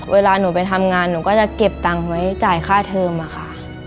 เวลาหนูไปทำงานหนูก็จะเก็บตังค์ไว้จ่ายค่าเทิมอะค่ะ